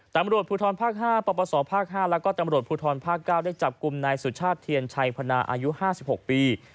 ตำรวจภูทรภาค๕ปปศภาค๕แล้วก็ตำรวจภูทรภาค๙ได้จับกลุ่มนายสุชาติเทียนชัยพนาอายุ๕๖ปี